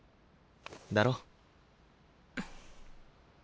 だろ？